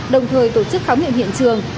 đồng thời tổ chức khám nghiệm hiện trường